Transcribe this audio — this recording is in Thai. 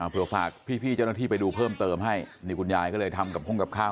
เพื่อฝากพี่เจ้าหน้าที่ไปดูเพิ่มเติมให้นี่คุณยายก็เลยทำกับห้องกับข้าว